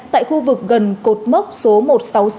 tại khu vực gần cột mốc số một trăm sáu mươi sáu